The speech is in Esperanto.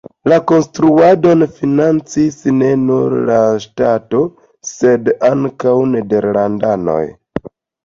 La konstruadon financis ne nur la ŝtato, sed ankaŭ nederlandanoj.